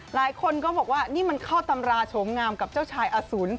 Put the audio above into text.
หลายคนก็บอกว่านี่มันเข้าตำราโฉมงามกับเจ้าชายอสุน